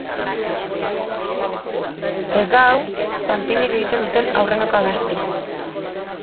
Ez da hau panpinek egiten duten aurreneko abestia.